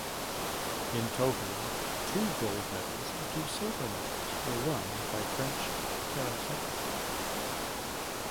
In total two gold medals and two silver medals were won by French karateka.